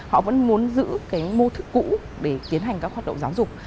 họ vẫn muốn giữ cái mô thức cũ để tiến hành các hoạt động giáo dục